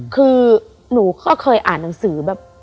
คือหนูก็เคยอ่านหนังสือแบบ